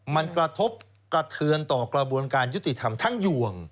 มันกระทบกระเทือนต่อกระบวนการยุติธรรมทั้งหยวง